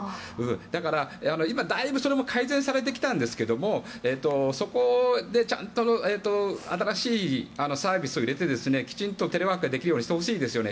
だから、今だいぶそれも改善されてきたんですがそこでちゃんと新しいサービスを入れてきちんとテレワークができるようにしてほしいですよね。